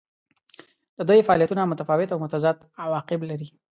د دوی فعالیتونه متفاوت او متضاد عواقب لري.